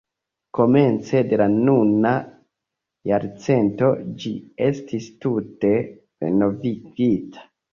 Komence de la nuna jarcento ĝi estis tute renovigita.